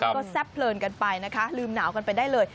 ก็แซ่บเพลินกันไปนะคะลืมหนาวกันไปได้เลย